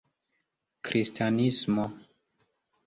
kristanismo